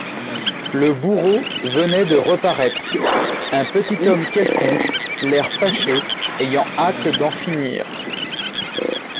Le bourreau venait de reparaître, un petit homme quelconque, l'air fâché, ayant hâte d'en finir.